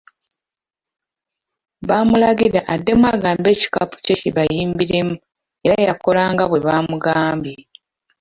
Baamulagira addemu agambe ekikapu kye kibayimbiremu era yakola nga bwe bamugambye.